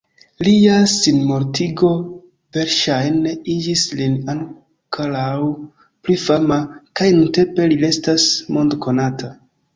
Lia sinmortigo verŝajne igis lin ankoraŭ pli fama, kaj nuntempe li restas mond-konata.